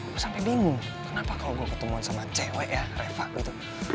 gue sampai bingung kenapa kalau gue ketemuan sama cewek ya reva gitu